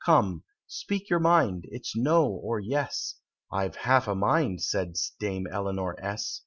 Come speak your mind it's 'No or Yes,'" ("I've half a mind," said Dame Eleanor S.)